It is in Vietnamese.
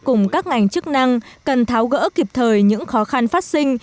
cùng các ngành chức năng cần tháo gỡ kịp thời những khó khăn phát sinh